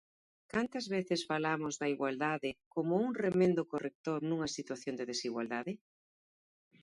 Cantas veces falamos da igualdade como un remendo corrector nunha situación de desigualdade?